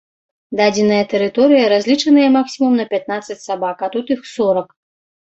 Дадзеная тэрыторыя разлічаная максімум на пятнаццаць сабак, а тут іх сорак.